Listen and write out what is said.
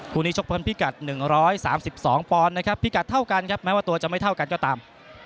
คู่นี้ชกเพิ่มพิกัด๑๓๒ปอนด์นะครับพิกัดเท่ากันครับแม้ว่าตัวจะไม่เท่ากันก็ตาม